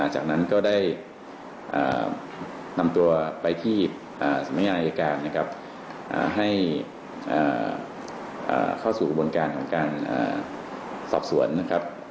จากนั้นก็ได้นำตัวไปที่สำนักงานอายการนะครับให้เข้าสู่กระบวนการของการสอบสวนนะครับ